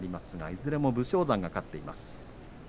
いずれも武将山が勝っています。